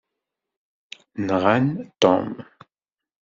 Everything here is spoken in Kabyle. Nɣan Tom.